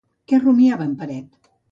Què rumiava en Peret?